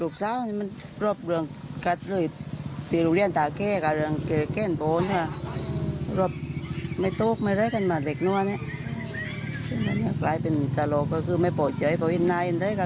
ใครเป็นแต่ละก็คือไม่ปลดเจ๋ยตัวเห็นไห้ในแล้วนะคะ